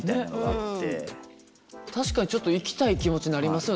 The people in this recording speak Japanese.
確かにちょっと行きたい気持ちになりますよね。